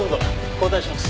交代します。